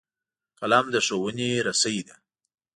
قلم د ښوونې رسۍ ده